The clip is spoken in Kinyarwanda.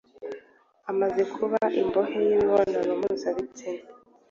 amaze kuba imbohe y’imibonano mpuzabitsina